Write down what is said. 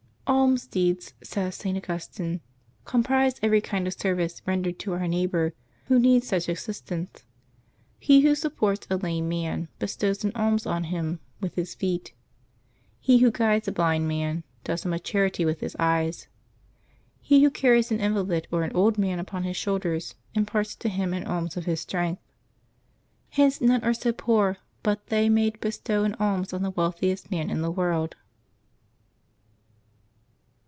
— "Alms deeds," says St. Augustine, "com prise every kind of service rendered to our neighbor who needs surh assistaxice. He who supports a lame man bestows an alms on him with his feet; he who guides a blind man does him a charity with his eyes; he who car ries an invalid or an old man upon his shoulders imparts to him an alms of his strength. Hence none are so poor but they may bestow an alms on the wealthiest man in the world."